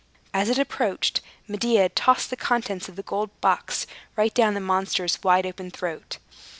As it approached, Medea tossed the contents of the gold box right down the monster's wide open throat.